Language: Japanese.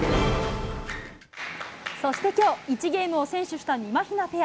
そして今日１ゲームを先取したみまひなペア。